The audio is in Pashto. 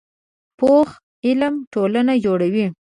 پوخ علم ټولنه جوړوي